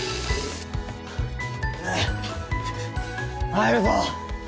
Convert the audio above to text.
入るぞ。